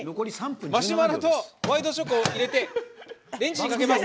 マシュマロとホワイトチョコを入れてレンジにかけます。